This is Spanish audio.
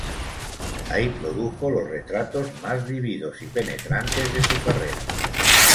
Ahí produjo los retratos más vívidos y penetrantes de su carrera.